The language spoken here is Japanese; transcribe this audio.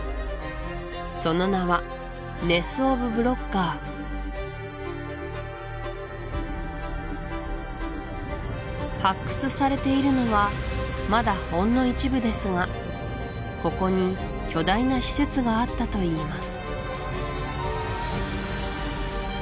その名はネス・オブ・ブロッガー発掘されているのはまだほんの一部ですがここに巨大な施設があったといいます